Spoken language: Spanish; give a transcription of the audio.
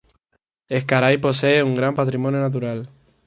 Ezcaray posee un gran patrimonio natural.